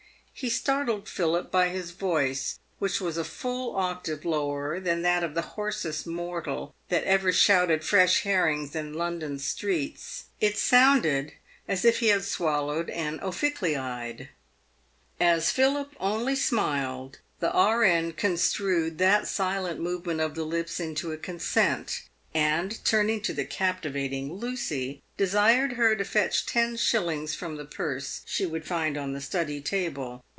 He startled Philip by his voice, which was a full octave lower than that of the hoarsest mortal that ever shouted fresh herrings in London streets. It sounded as if he had swallowed an ophicleide. As Philip only smiled, the E.N. construed that silent movement of the lips, into a consent, andturning to the captivating Lucy, desired her to fetch ten shillings from the purse she would find on the study table.